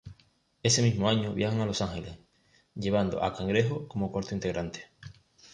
Ese mismo año viajan a Los Ángeles, llevando a Cangrejo como cuarto integrante.